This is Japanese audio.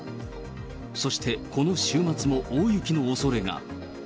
そしてこの週末も大雪のおそれが。